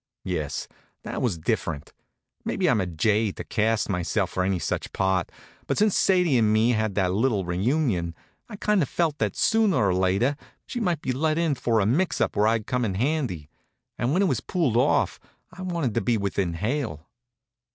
Yes, that was different. Maybe I'm a jay to cast myself for any such part; but since Sadie an' me had that little reunion, I've kind of felt that sooner or later she might be let in for a mix up where I'd come in handy, and when it was pulled off I wanted to be within hail.